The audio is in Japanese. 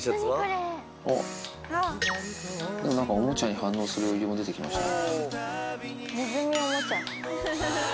なんかおもちゃに反応する余裕も出てきましたね。